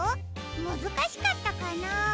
むずかしかったかな？